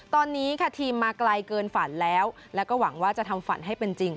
ตอนนี้ค่ะทีมมาไกลเกินฝันแล้วแล้วก็หวังว่าจะทำฝันให้เป็นจริง